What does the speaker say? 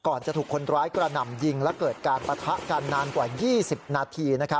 จะถูกคนร้ายกระหน่ำยิงและเกิดการปะทะกันนานกว่า๒๐นาที